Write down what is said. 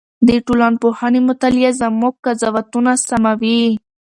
د ټولنپوهنې مطالعه زموږ قضاوتونه سموي.